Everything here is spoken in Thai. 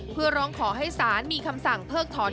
เพื่อร้องขอให้ศาลมีคำสั่งเพิกถอน